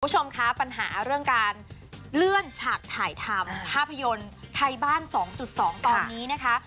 คุณผู้ชมคะปัญหาเรื่องการเลื่อนฉากถ่ายทำภาพยนตร์ไทยบ้าน๒๒ตอนนี้นะคะ